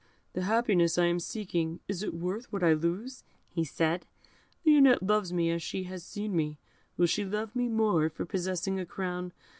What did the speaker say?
"The happiness I am seeking, is it worth what I lose?" said he. "Lionette loves me as she has seen me; will she love me more for possessing a crown?